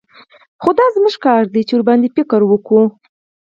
خو دا زموږ کار دى چې ورباندې فکر وکړو.